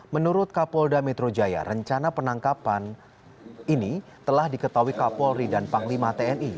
menurut kapolda metro jaya rencana penangkapan ini telah diketahui kapolri dan panglima tni